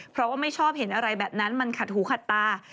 เพราะว่าไม่ชอบเห็นอะไรแบบนั้นมันขัดหูขัดตา